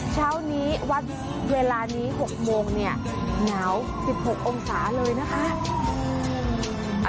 เช้านี้วัดเวลานี้๖โมงเนี่ยหนาว๑๖องศาเลยนะคะ